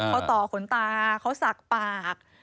เขาต่อขนตาเขาสักปาก